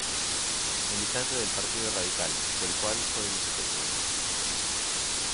Militante del Partido Radical, del cual fue vicepresidente.